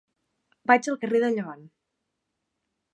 Vaig al carrer de Llevant.